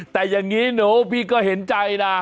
แต่อย่างนี้หนูพี่ก็เห็นใจนะ